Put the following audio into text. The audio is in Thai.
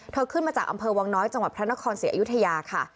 ขึ้นมาจากอำเภอวังน้อยจังหวัดพระนครศรีอยุธยาค่ะ